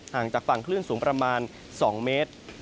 ห่างจากฝั่งคลื่นสูงประมาณ๒เมตร